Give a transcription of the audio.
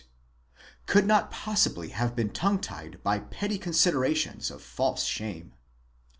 38), could not possibly have been tongue tied by petty considerations of false shame.